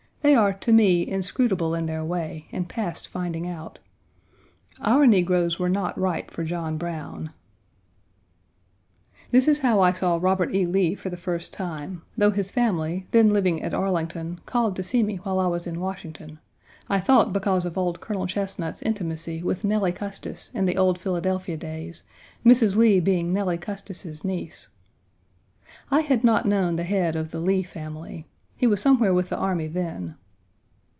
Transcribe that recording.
They are to me inscrutable in their way and past finding out. Our negroes were not ripe for John Brown. This is how I saw Robert E. Lee for the first time: though his family, then living at Arlington, called to see me while I was in Washington (I thought because of old Colonel Chesnut's intimacy with Nellie Custis in the old Philadelphia days, Mrs. Lee being Nelly Custis's niece), I had not known the head of the Lee family. He was somewhere with the army then.